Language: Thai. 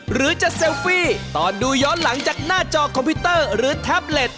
หรือจะเซลฟี่ตอนดูย้อนหลังจากหน้าจอคอมพิวเตอร์หรือแท็บเล็ต